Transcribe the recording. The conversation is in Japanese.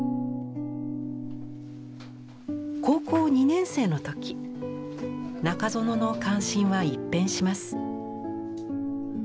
高校２年生の時中園の関心は一変します。